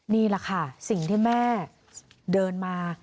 นี่แหละค่ะสิ่งที่แม่เดินมา